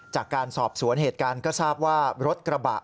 จากการสอบสวนเหตุการณ์ก็ทราบว่ารถกระบะ